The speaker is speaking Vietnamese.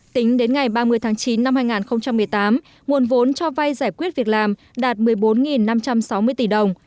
tính đến ngày ba mươi tháng chín năm hai nghìn một mươi tám nguồn vốn cho vay giải quyết việc làm đạt một mươi bốn năm trăm sáu mươi tỷ đồng